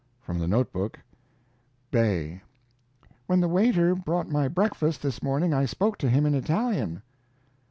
[From the note book: "BAY When the waiter brought my breakfast this morning I spoke to him in Italian.